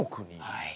はい。